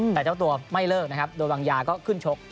แต่เจ้าตัวไม่เลิกนะครับโดยวางยาก็ขึ้นชก